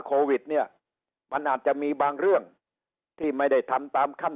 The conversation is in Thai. โควิดเนี่ยมันอาจจะมีบางเรื่องที่ไม่ได้ทำตามขั้น